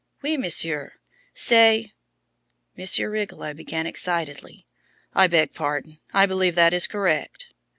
"_Oui, Monsieur. C'est _" Monsieur Rigolot began excitedly. "I beg pardon. I believe that is correct."